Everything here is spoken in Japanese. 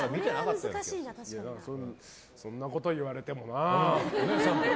そんなこと言われてもな。